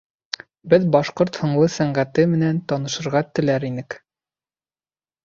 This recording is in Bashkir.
Беҙ башҡорт һынлы сәнғәте менән танышырға теләр инек.